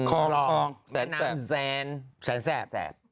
คลองแสนแสนแสบ